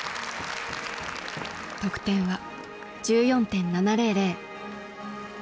得点は１４．７００。